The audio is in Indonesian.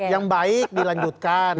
yang baik dilanjutkan